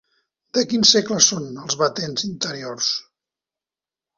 De quin segle són els batents interiors?